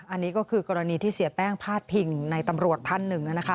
อันนี้ก็คือกรณีที่เสียแป้งพาดพิงในตำรวจท่านหนึ่งนะคะ